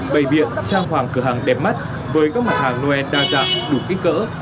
bày biện trang hoàng cửa hàng đẹp mắt với các mặt hàng noel đa dạng đủ kích cỡ